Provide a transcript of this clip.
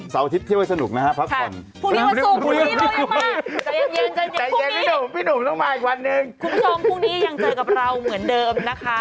ซาวอาทิตย์เที่ยวให้สนุกนะครับพักผ่อนสนุก